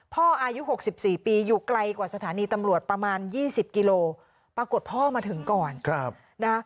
อายุ๖๔ปีอยู่ไกลกว่าสถานีตำรวจประมาณ๒๐กิโลปรากฏพ่อมาถึงก่อนนะคะ